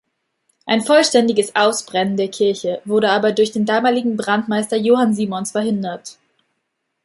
Ein vollständiges Ausbrennen der Kirche wurde aber durch den damaligen Brandmeister Johann Simons verhindert.